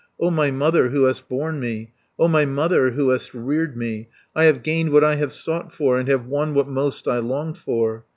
"O my mother, who hast borne me, O my mother, who hast reared me, I have gained what I have sought for, And have won what most I longed for.